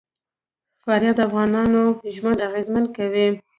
فاریاب د افغانانو ژوند اغېزمن کوي.